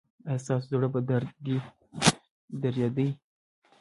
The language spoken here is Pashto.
ایا ستاسو زړه به دریدي؟